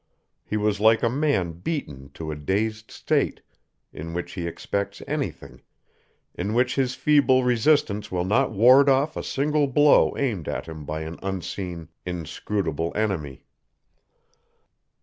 He was like a man beaten to a dazed state in which he expects anything, in which his feeble resistance will not ward off a single blow aimed at him by an unseen, inscrutable enemy.